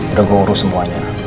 udah gua urus semuanya